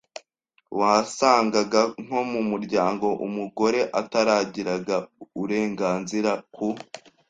Wasangaga nko mu muryango umugore ataragiraga uurenganzira ku